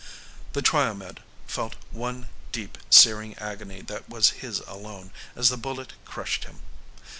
The Triomed felt one deep, searing agony that was his alone as the bullet crushed him.